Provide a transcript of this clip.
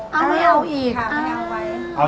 เอาไม่เอาอีกค่ะไม่เอาไว้